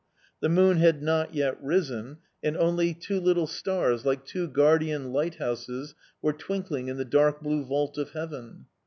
The moon had not yet risen, and only two little stars, like two guardian lighthouses, were twinkling in the dark blue vault of heaven.